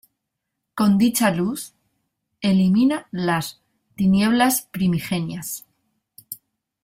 Con dicha luz elimina las tinieblas primigenias.